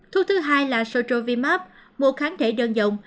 thuốc thứ hai là sotrovimab một kháng thể đơn dòng